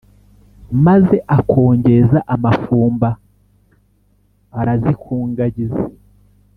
Maze akongeza amafumba arazikungagiza